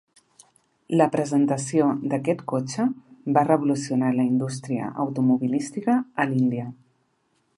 La presentació d'aquest cotxe va revolucionar la indústria automobilística a l'Índia.